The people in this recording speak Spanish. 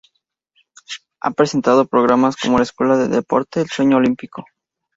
Ha presentado programas como "Escuela del deporte", "El sueño olímpico.